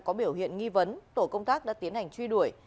có biểu hiện nghi vấn tổ công tác đã tiến hành truy đuổi